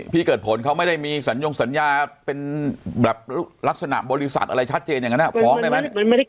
พี่เกิดผลเขาไม่ได้มีสัญญงสัญญาเป็นแบบลักษณะบริษัทอะไรชัดเจนอย่างนั้นฟ้องได้ไหม